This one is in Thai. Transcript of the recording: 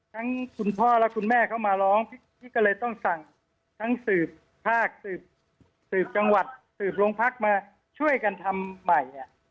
คุณพ่อและคุณแม่เขามาร้องพี่ก็เลยต้องสั่งทั้งสืบภาคสืบจังหวัดสืบโรงพักมาช่วยกันทำใหม่